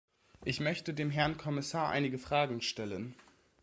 Ich möchte dem Herrn Kommissar einige Fragen stellen.